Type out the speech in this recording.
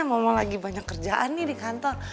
ngomong lagi banyak kerjaan nih di kantor